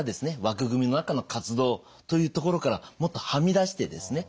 枠組みの中の活動というところからもっとはみ出してですね